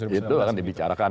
itu kan dibicarakan